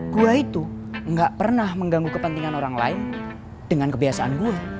gue itu gak pernah mengganggu kepentingan orang lain dengan kebiasaan gue